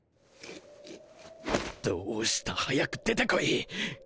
どうした早く出てこい。